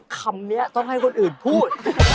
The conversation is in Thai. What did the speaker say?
คำนี้ต้องให้คนอื่นพูด